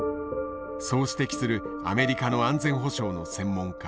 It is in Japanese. そう指摘するアメリカの安全保障の専門家